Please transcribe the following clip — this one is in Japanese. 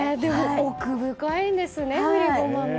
奥深いんですね、振り駒も。